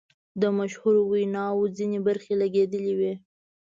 د مشهورو ویناوو ځینې برخې لګیدلې وې.